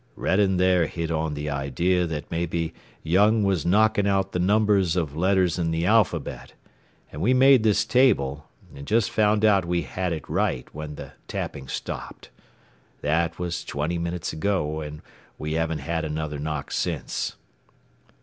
"Redding there hit on the idea that maybe Young was knocking out the numbers of letters in the alphabet, and we made this table, and just found out we had it right when the tapping stopped. That was twenty minutes ago, and we haven't had another knock since."